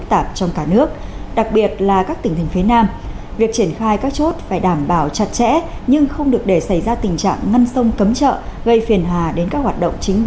trong đó đặc biệt chú ý các phương tiện từ các khu vực có dịch